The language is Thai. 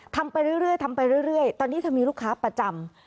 ทำไปเรื่อยตอนนี้เธอมีลูกค้าประจำ